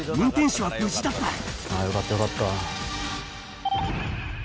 よかったよかった。